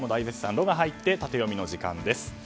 「ロ」が入ってタテヨミの時間です。